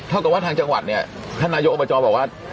กับว่าทางจังหวัดเนี่ยท่านนายกอบจบอกว่า